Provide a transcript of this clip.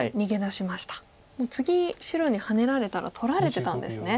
次白にハネられたら取られてたんですね。